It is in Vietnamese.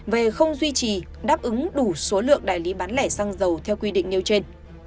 về không duy trì đáp ứng đủ số lượng đại lý bán lẻ xăng dầu theo quy định nêu trên